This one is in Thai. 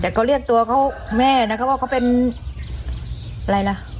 แต่เขาเรียกตัวเขาแม่นะคะว่าเขาเป็นอะไรล่ะ